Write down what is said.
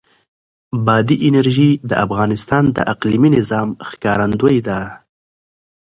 بادي انرژي د افغانستان د اقلیمي نظام ښکارندوی ده.